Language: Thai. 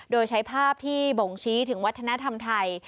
โดยใช้ภาพที่บ่งชี้ถึงวัฒนธรรมไทย